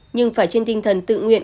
nhưng phải trên tinh thần tự nguyện